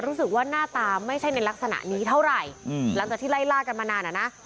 รู้สึกว่าหน้าตาไม่ใช่ในลักษณะนี้เท่าไหร่หลังจากที่ไล่ล่ากันมานานอ่ะนะ